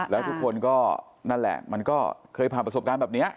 แล้วทุกคนก็มันก็เคยผ่าประสบการณ์แบบนี้